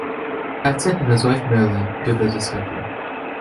Batson and his wife Marilyn, to the discovery.